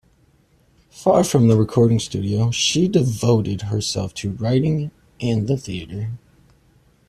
Far from the recording studio, she devoted herself to writing and the theatre.